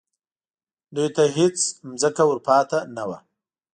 دوی ته هېڅ ځمکه ور پاتې نه وه